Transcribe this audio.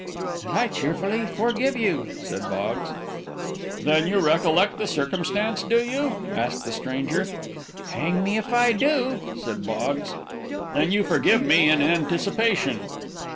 "And I cheerfully forgive you," said Boggs. "Then you recollect the circumstance, do you?" asked the stranger. "Hang me if I do," said Boggs. "Then you forgive me in anticipation."